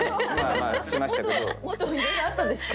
もっといろいろあったんですか？